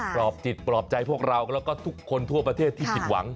รอบจิตปลอบใจพวกเราแล้วก็ทุกคนทั่วประเทศที่ผิดหวัง